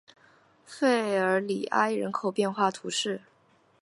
弗尔里埃人口变化图示